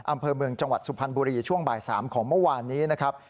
อำเภอเมืองจังหวัดสุพรรณบุรีช่วงบ่าย๓ของเมื่อวานนี้นะครับ